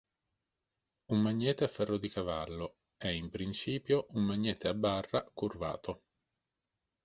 Un magnete a ferro di cavallo è in principio un magnete a barra curvato.